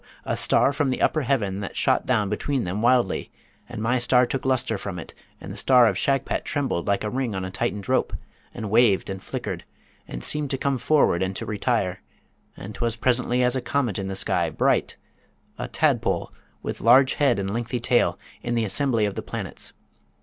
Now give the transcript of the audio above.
a star from the upper heaven that shot down between them wildly, and my star took lustre from it; and the star of Shagpat trembled like a ring on a tightened rope, and waved and flickered, and seemed to come forward and to retire; and 'twas presently as a comet in the sky, bright, a tadpole, with large head and lengthy tail, in the assembly of the planets.